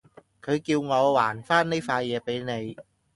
佢叫我還返呢塊嘢畀你